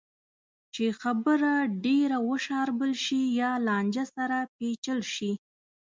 چې خبره ډېره وشاربل شي یا لانجه سره پېچل شي.